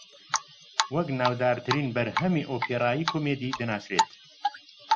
وەک ناودارترین بەرهەمی ئۆپێرایی کۆمیدی دەناسرێت